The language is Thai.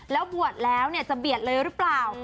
แล้วบวชแล้วจะเบียดเลยหรือเปล่า